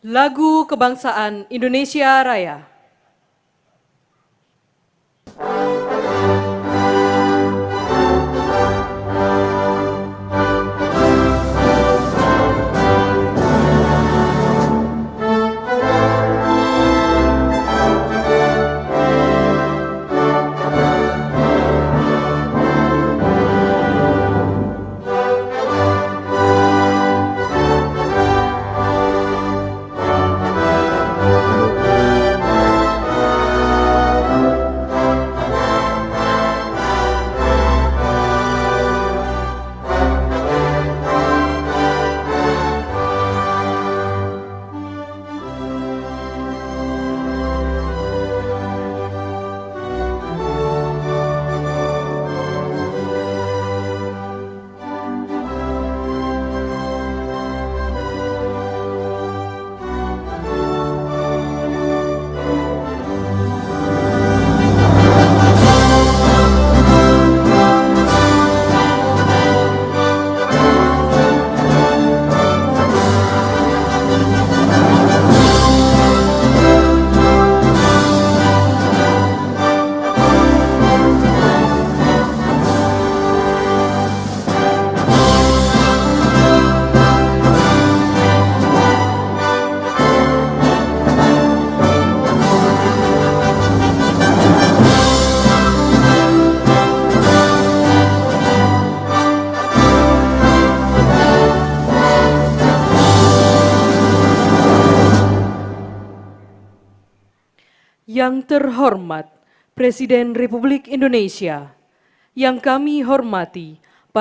lagu kebangsaan indonesia raya